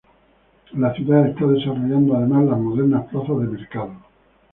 La ciudad está desarrollando además las modernas plazas de mercado.